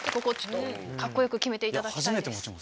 カッコよく決めていただきたいです。